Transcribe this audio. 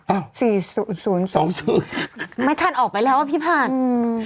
อ่ะสี่ศูนย์ศูนย์สองศูนย์ไม่ทันออกไปแล้วอ่ะพี่ผ่านอืม